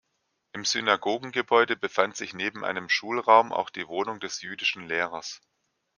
Im Synagogengebäude befand sich neben einem Schulraum auch die Wohnung des jüdischen Lehrers.